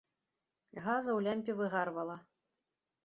Газа ў лямпе выгарвала.